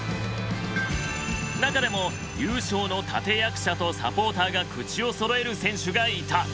中でも優勝の立て役者とサポーターが口をそろえる選手がいた。